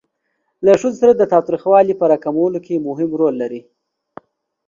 له ښځو سره د تاوتریخوالي په را کمولو کې مهم رول لري.